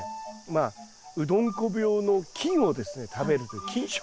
まあうどんこ病の菌をですね食べるという菌食系。